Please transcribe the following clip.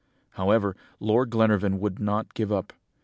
"However, Lord Glenarvan would not give up.